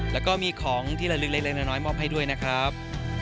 แล้วก็มีของที่ละลึกเล็กน้อยมอบให้ด้วยนะครับ